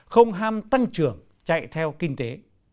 không ham tăng trưởng chạy theo kinh tế